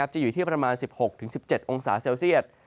จะอยู่ที่ประมาณ๑๖๑๗องศาเซลเซียต